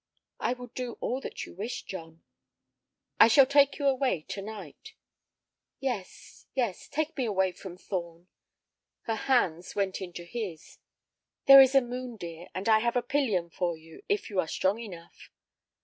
"I will do all that you wish, John." "I shall take you away to night." "Yes, yes; take me away from Thorn." Her hands went into his. "There is a moon, dear, and I have a pillion for you, if you are strong enough."